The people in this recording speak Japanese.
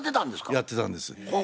やってたんです。